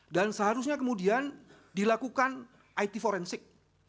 dan seharusnya kemudian dilakukan it forensik